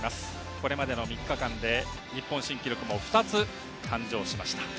これまでの３日間で日本新記録も２つ誕生しました。